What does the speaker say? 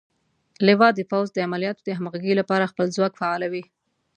لوا د پوځ د عملیاتو د همغږۍ لپاره خپل ځواک فعالوي.